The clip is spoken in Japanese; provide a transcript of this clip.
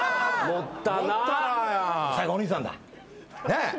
最後お兄さんだ。